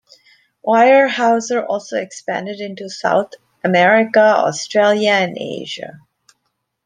Weyerhaeuser also expanded into South America, Australia, and Asia.